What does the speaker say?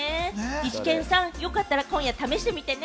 イシケンさん、良かったら今夜試してみてね！